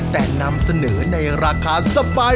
แต่นำเสนอในราคาสบาย